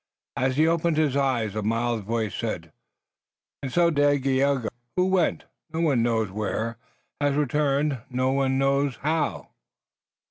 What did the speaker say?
As he opened his eyes a mild voice said: "And so Dagaeoga who went, no one knows where, has returned no one knows how."